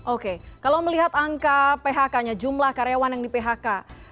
oke kalau melihat angka phk nya jumlah karyawan yang di phk